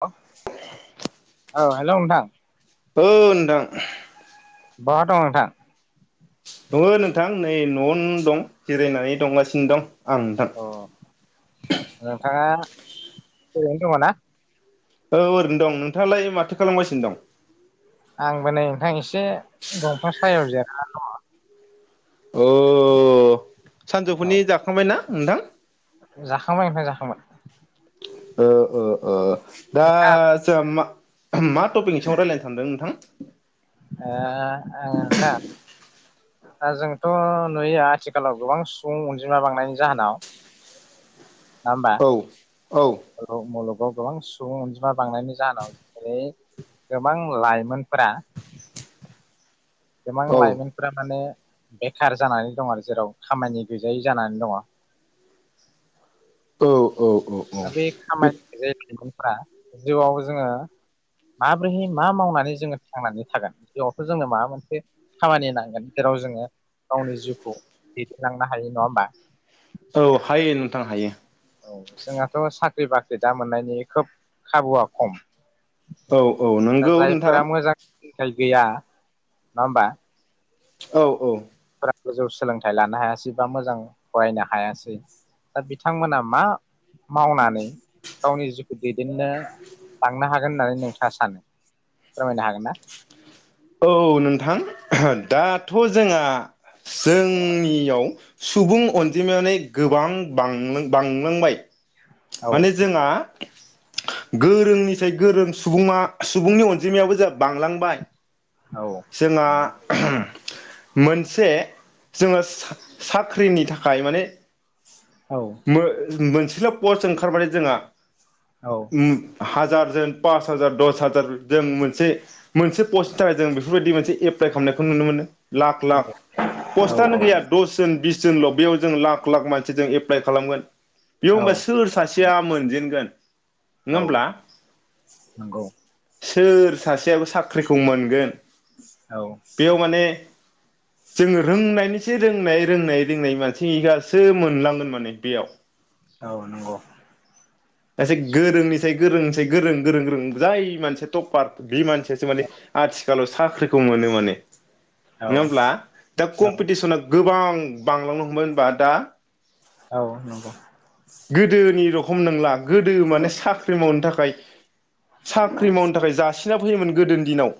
[unintelligible] ओ हेलौ नोंथां ओ नोंथां बाहा दं नोंथां दङो नोंथां नै न'आवनो दं जिरायनानै दंगासिनो दं आं दा अ नोंथाङा ओरैनो दङ ना औ ओरैनो दं नोंथाङालाय माथो खालामगासिनो दं आंबो नै नोंथां एसे दंफां सायाव जिरा दङ अ औ सानजौफुनि जाखांबायना नोंथां जाखांबाय नोंथां जाखांबाय ओ ओ ओ दा नोंथां जों मा मा टपिकनि सायाव रायलायनो सानदों नोंथां ए ए नोंथां ओ जोंथ नुयो आथिखालाव गोबां सुबुं अनजिमा बांनायनि जाहोनाव नङा औ औ होमबा [unintelligible] ओ गोबां सुबुं अनजिमा बांनायनि जाहोनाव जेरै गोबां लाइमोनफोरा गोबां औ लाइमोनफोरा माने बेखार जानानै दं आरो जेराव खामानि गैजायै जानानै दङ औ औ औ औ बे सुबुंफोरा जिउआव जोङो माब्रैहाय मा मावनानै जोङो थांनानै थागोन जिउआवथ जोंनो माबा मोनसे खामानि नांगोन जेराव जोङो गावनि जिउखौ दैदेनलांनो हायो नङा होमबा औ हायो नोंथां हायो औ जोंहा थ साख्रि बाख्रि दा मोननायनि खोब खाबुआ खम औ औ दा नोंगौ नोंथां जायफोरा मोजां सोलोंथाइ गैया नङा होमबा औ औ फोरा गोजौ सोलोंथाइ लानो हायासै बा मोजां फरायनो हायासै दा बिथांमोना मा मावनानै गावनि जिउखौ दैदेननो लांनो हागोन होननानै नोंथाङा सानो फोरमायनो हागोन ना औ औ नोंथां दाथ जोंहा जोंनियाव सुबुं अनजिमानो गोबां बांनो बांलांबाय औ माने जोंहा गोरोंनिसाय गोरों सुबुङा सुबुंनि अनजिमायाबो जोंहा बांलांबाय। औ जोंहा नंगौ मोनसे जोङो सा-साख्रिनि थाखाय माने औ मो-मोनसे फिलप पस्ट ओंखारबाय जोंहा औ उम हाजार जों पास हाजार दस हाजार जों मोनसे मोनसे पस्टनि थाखाय जों बेफोरबायदि मोनसे एप्लाइ खालामनायखौ नुनो मोनो। लाख लाख औ पस्टआनो औ गैया दस जोन बिस जोंल बेयाव जों लाख लाख मानसिजों एफ प्लाइ खालामगोन। बेव औ होमब्ला सोर सासेया मोनजेनगोन नङा औ होमब्ला? नंगौ सोर सासे सेयाबो साख्रिखौ मोनगोन औ बेयाव माने जोङो रोंनायनिसाय रोंनाय रोंनाय रोंनाय मानसिआसो मोनलांगोन मोन। ने बेयाव। औ नंगौ। दा जाय गोरोंनिसाय गोरोंनिसाय गोरों गोरों गोरों जाय मानसिया टपार बे मानसि यासो माने औ आथि खालाव साख्रिखौ मोनो माने। नङा होमब्ला? दा औ कम्पिटिसना गोबां बांलांनो हमबाय होनबा दा औ नंगौ। गोदोनि र' खम नोंला गोदो माने साख्रि मावनो थाखाय साख्रि मावनो थाखाय जासि ना फैयोमोन गोदोनि दिनाव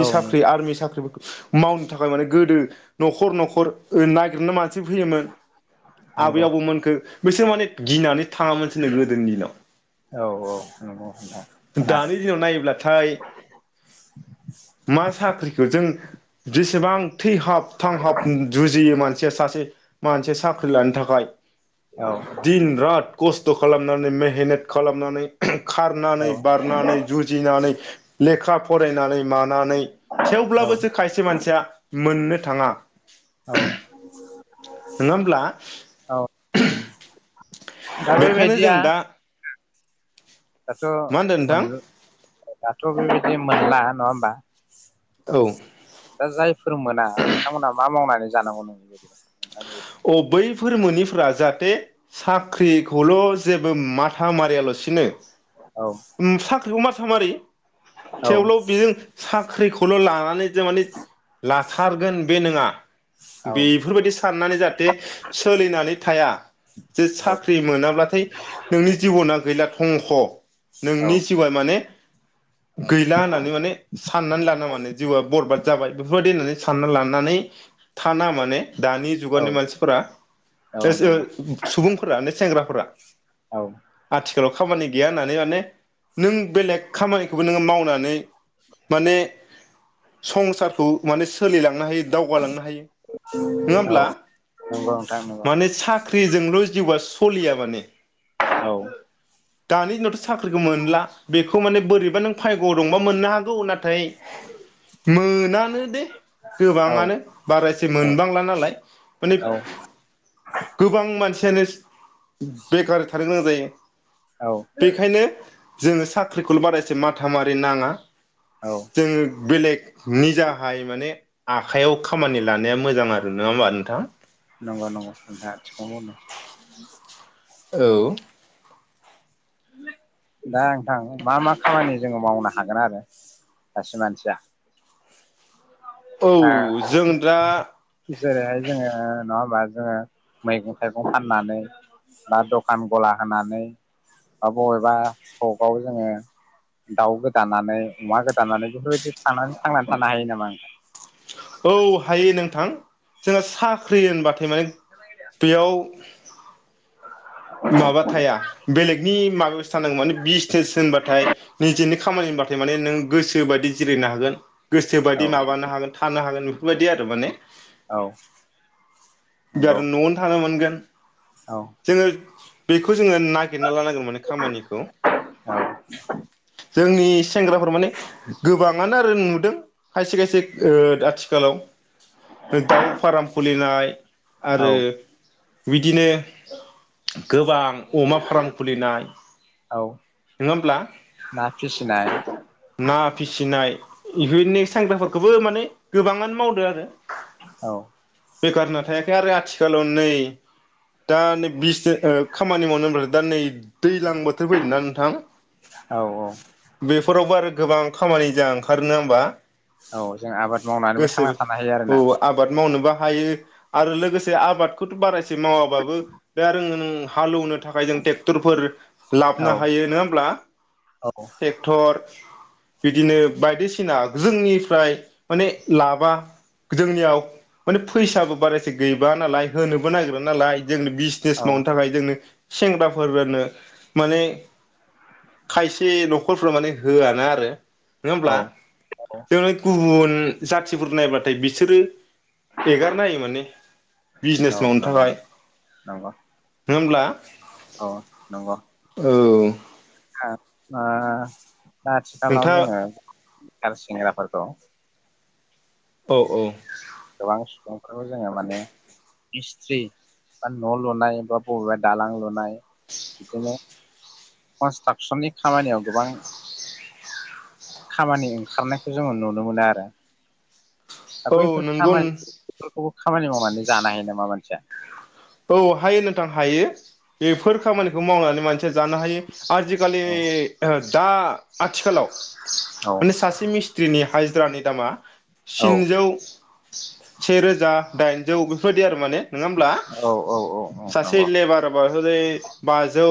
औ साख्रि आरमि साख्रिफोरखौ मावनो थाखाय माने गोदो न'खर न'खर ओ नागिरनो मानसि फैयोमोन आबै नंगौ आबौ मोनखो बिसोर माने गिनानै थाङामोनसोनो गोदोनि दिनाव औ नंगौ नोंथां खोनादों दानि दिनाव नायोब्लाथाय मा साख्रिखौ जों जेसेबां थैहाब थांहाब जुजियो मान सिया सासे मोनसे साख्रि लानो थाखाय औ दिन रात कस थ' खालामनानै मेहेनेट खालामनानै औ खारनानै बारनानै जुजिना नै लेखा फरायनानै मानानै औ थेवब्लाबोसो खायसे मानसिया मोननो थाङा औ । नङा होमब्ला? दा बेखायनो बेबायदिया जों दा दाथ' मा होनदों मोन नोंथां दाथ' बे गेम मोनला नङा होमबा? औ दा जायफोर मोना, बिथांमोना मा मावनानै जानांगौ नोंनि बायदिबा? नोंथांनि बायदि अ बैफोर मोनिफोरा जा बेे साख्रिखौल' जेबो माथा मारियाल'सिनो। [unintelligible] उम साख्रिखौ मारसा मारि। औ थेवब्लाबो बिजों साख्रिखौल' लानानै जों माने ला। थारगोन बे नोंङा। औ बेफोरबायदि साननानै जाहाथे सोलिनानै थाया, जे औ साख्रि मोनाब्लाथाय नोंनि जिबना गैला हंख' औ नोंनि जिवा माने। गैला होननानै माने साननानै लाना माने जिउआ बरबाद जाबाय बेफोरबायदि होननानै सानना लानानै थाना माने। दानि औ जुगावनि मानसिफोरा औ [unintelligible] नंगौ सुबुंफोरानो सेंग्राफोरा औ आथि खालाव खामानि गैया होननानै माने। नों बेलेग खामानिखौबो नोङो मावनानै माने संसारखौ माने सोलिलांनो हायो। दावगालांनो हायो, नोङा होमब्ला? नंगौ नोंथां नंगौ माने सा ख्रिजोंल' जिउवा सलिया माने। [unintelligible] औ। दानि दिनावथ' साख फोरखौ मोनला, बेखौ माने बोरैबा नों फाग्यवाव दंबा मोननो हागौ नाथाय। मोनानो दे औ गोबाङानो बारा एसे मोनबांला नालाय। माने गोबां मानसि यानो बेखार थानो गोनां जायो। औ बेखायनो जोङो साख्रिखौल' बारा एसे माथा मारि नाङा। औ जोङो बेलेग निजाहाय माने आखाइायाव खामानि लानाया मोजां आरो नङा होमबा नोंथां? नंगौ नंगौ नोंथाङा थिगखौनो बुंदों। औ। दा नोंथां मा मा खामानि जोङो मावनो हागोन आरो सासे मानसिया? औ जों दा ओ जेरैहाय जोङो नङा होमबा जोङो मैगं थाइगं फाननानै, बा दखान गला होनानै, बा बबेबा सगाव जोङो दाउ गोदानानै अमा गोदानानै बेफोरबायदि थानानै थांनानै थानो हायो नामा नोंथां? औ हायो नोंथां जोंहा साख्रि होनबाथाय माने बेयाव माबा थाया बेलेगनि माबायावसो थानांगो माने बिजनेस होनबाथाय निजेनि खामानि होनबाथाय माने नों गोसो बादि जिरायनो हागोन। औ गोसोबादि माबानो हागोन थानो हागोन। बेफोरबादि आरो माने। औ। गार नंगौ न'आवनो थानो मोनगोन। औ [inaudible] जोङो बेखौ जोङो नागिर ना लानांगो माने खामानिखौ। जोंनि सेंग्राफोर माने गोबाङानो आरो नुदों खायसे खायसे ओ आथिखालाव दाउ फाराम खुलिनाय औ आरो बिदिनो गोबां अमा फाराम खुलिनाय औ नङा होमब्ला? ना फिसिनाय ना फिसिनाय इफोरनि औ साइफाफोरखौबो माने गोबाङानो मावदो आरो। औ। बेखार होनना थायाखै आरो आथिखालाव नै दा नै बे बिजने ओ खामानि मावनो होनब्लाथाय दा नै दैज्लां बोथोर फैदोंना नोंथां औ बे फोरावबो आरो गोबां खामानि जा ओंखारो नङा होनबा औ जों आबाद मावनानैबो गोसो थांना थानो हायो आरोना औ आबाद मावनोबा हायो आरो लोगोसे आबादखौथ' बारा एसे मावाबाबो बे आरो नों हालौनो थाखाय जों ट्रेक्टरफोर औ लाबोननो हायो नङा होमब्ला? औ बिदिनो बायदिसिना जोंनिफ्राय माने लाबा जोंनियाव माने फैसाबो बारायसे गैबा नालाय होनोबो नागिरा नालाय। जोंनो बिजनेस औ मावनो थाखाय जोंनो सेंग्राफोरनो माने खायसे न' खरफोरा माने होआ ना आरो नोंङा औ होमब्ला औ जोंङो गुबुन जाथिफोर नायबाथाय बिसोरो एगारनायो माने औ बिजनेस मावनो नंगौ थाखाय नङा होमब्ला? अ नंगौ औ ओ ओ दा आथिखालाव नोंथाङा जोङो [unintelligible] सेंग्राफोरखौ औ औ गोबां सुबुंफोरखौ जोङो माने मिस्थ्रि बा न' लुनाय बा बबेबा दालां लुनाय बिदिनो कनस्ट्राकसननि खामानियाव गोबां खामानि ओंखारनायखौ जोङो नुनो मोनो आरो दा औ बैफोर नंगौ खामानि बेफोरखौबो खामानि मावनानै जानो हायो नामा मानसिया? औ हायो नोंथां हायो। बेफोर खामानिखौ मावनानै मा सिया जानो हायो। आजिकालि औ ओ दा आथिखालाव औ माने सासे मिस्ट्रिनि हाइ जिरानि दामा औ स्निजौ सेे रोजा दाइनजौ बेफोरबायदि आरो माने नोङा होमब्ला? औ औ औ सासे नंगौ लेबार बा [unintelligible] बाजौ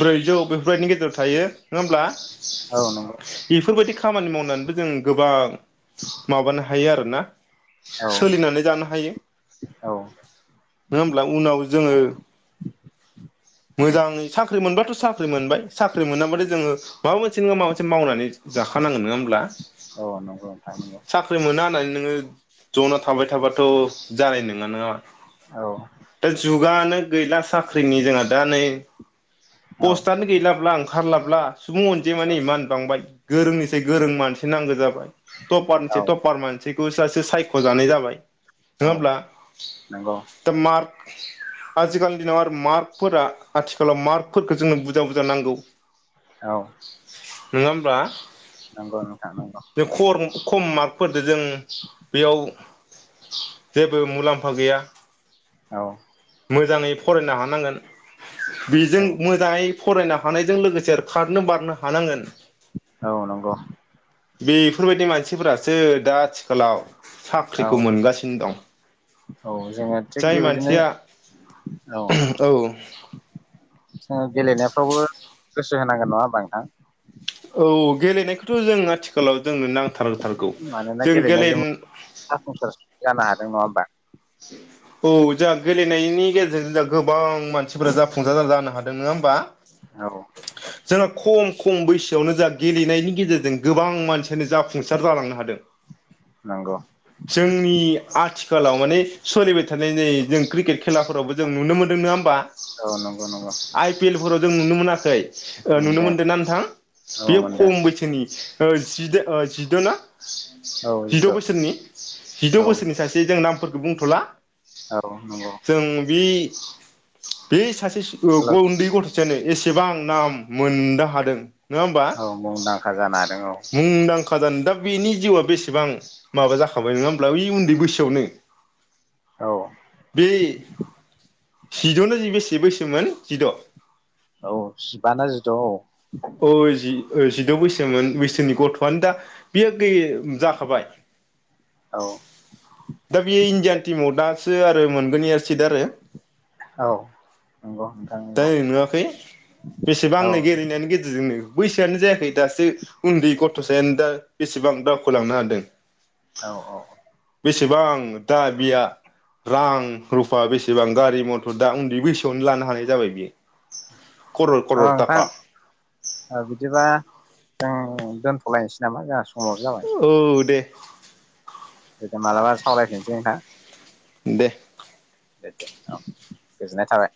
ब्रैजौ बेफोरबायदिनि गेजेराव थायो नोङा होमब्ला? औ नंगौ बेफोरबायदि खामानि मावनानैबो जों गोबां माबानो हायो आरोना औ सोलिनानै जानो हायो। औ नोङा होमब्ला उनाव जोङो मोजाङै साख्रि मोनब्लाथ' साख्रि मोनबाय साख्रि मोनाबाथाय जोङो माबा मोनसे नङा माबा मोनसे मावनानै जाखानांगोन नङा होमब्ला औ नंगौ नोंथां नंगौ साख्रि मोना होननानै नोङो जना थाबाय थाबाथ' जानाय नोङा ना औ जुगानो गैला साख्रिनि जोंहा दा नै औ पस्तानो गैलाब्ला आं ओंखारलाब्ला सुबुं अनजिमानि मान बांबाय गोरोंनिसाय गोरों मानसि नांगौ जाबाय त'फारनिसाय औ त' फरारमानसि बोसासो सायख'जानाय जाबाय नङा औ होमब्ला नंगौ दा मार्क आजिखालिनि दिनाव आरो मार्क फोरा आथिखालाव मार्कफोरखौ जोंनो बुजा बुजा नांगौ। औ नोङा होमब्ला नंगौ नोंथां नंगौ जों खर खम मार्कफोरजों जों बेयाव जेबो मुलाम्फा गैया। औ मोजाङै फरायनो हानांगोन बेजों औ मोजाङै फरायनो हानायजों लोगोसे खारनो बारनो हानांगोन। औ नंगौ बेफोरबायदि मानसिफोरासो दा आथिखालाव औ साख्रिखौ मोनगासिनो दं। औ जोङो थिग जाय बेबायदिनो मानसिया औ [unintelligible] गेलेनायफ्रावबो गोसो होनांगोन नंङा होमबा नोंथां औ गेलेनायखौथ' जों आथिखालाव जोंनो नां थारथारगौ मानोना जों गेलेन गेलेनायजोंबो जाफुंसार जानो हादों नङा होमबा औ जोहा गेलेनायनि गेजेरजों जों गोबां मानसिफोरा जाफुंसार जानो हादों नंङा होमबा औ जोंना खम खम बैसोआवनो जा गेलेनायनि गेजेरजों गोबां मानसि दिनै जाफुंसार जालांनो हादों नंगौ जोंनि आथिखालाव माने सोलिबाय थानाय नै जों क्रिकेट खेलाफोरावबो जों नुनो मोनदों नोंङा होमबा औ नंगौ नंगौ आइ पि एल फोराव जों नुनो मोनाखै ओ नुनो मोनदों ना नोंथां औ बेयो मोनदों खम बैसोनि जिदो जिद' ना औ जिद' जिथु बोसोरनि जिद' औ बोसोरनि सासे जों ना बुंथ'ला औ नंगौ जों बे बे हि सासे स्कुलाव उन्दै गथ' जेनै एसेबां नाम मोननो हादों नङा होमबा औ मुंदांखा जानो हादों मुंदां खादान दा बेनि जिउआ बेसेबां माबा जाखाबाय नङा होमब्ला इ उन्दै बैसोआवनो औ बे जिद'नो जि बेसे बैसोमोन जिद' औ जिबाना जिद' औ औ ओ जि जिद' बैसोमोन बैसोनि गथ'आनो दा बियो गै जाखाबाय औ दा बेयो इण्डियान टीमाव दासो आरो मोनगोन इयो सिट आरो औ नंगौ नोंथां नंगौ दायरेख नुवाखै औ बेसेबांनो गेलेनायनि गेजेरजोंनो बैसोआनो जायाखै दासो उन्दै गथ'सायानो दा बेसेबां दावखो लांनो हादों औ औ बेसेबां दा बिया रां रुफा बेसेबां गारि मथर दा उन्दै बैसोआवनो लानो हानाय जाबाय बियो करर औ करर नोंथां थाखा औ बिदिबा जों दोनथ'लायनोसै नामा जों औ दे मालाबा सावरायफिनसै नोंथां दे दे दे औ गोजोननाय थाबाय